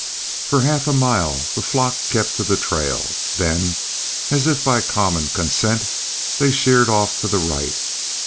For half a mile the flock kept to the trail, then, as if by common consent, they sheered off to the right.